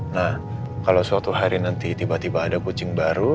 nah kalau suatu hari nanti tiba tiba ada kucing baru